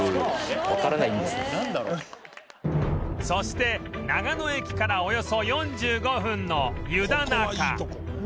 そして長野駅からおよそ４５分の湯田中